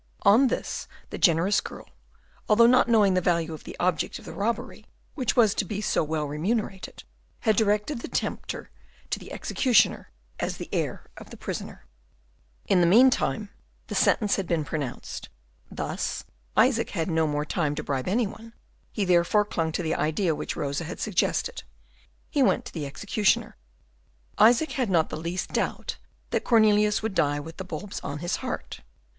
On this, the generous girl, although not yet knowing the value of the object of the robbery, which was to be so well remunerated, had directed the tempter to the executioner, as the heir of the prisoner. In the meanwhile the sentence had been pronounced. Thus Isaac had no more time to bribe any one. He therefore clung to the idea which Rosa had suggested: he went to the executioner. Isaac had not the least doubt that Cornelius would die with the bulbs on his heart.